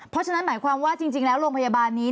เพราะฉะนั้นหมายความว่าจริงแล้วโรงพยาบาลนี้